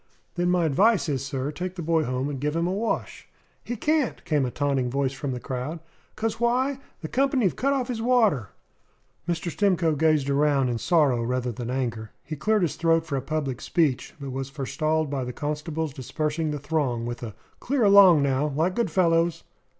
"Then my advice is, sir take the boy home and give him a wash." "He can't," came a taunting voice from the crowd. "'Cos why? The company 've cut off his water." Mr. Stimcoe gazed around in sorrow rather than in anger. He cleared his throat for a public speech; but was forestalled by the constable's dispersing the throng with a "Clear along, now, like good fellows!"